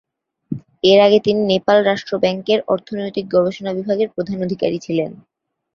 এর আগে তিনি নেপাল রাষ্ট্র ব্যাংকের অর্থনৈতিক গবেষণা বিভাগের প্রধান অধিকারী ছিলেন।